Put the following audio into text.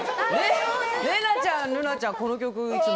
玲奈ちゃん瑠奈ちゃんこの曲、いつも。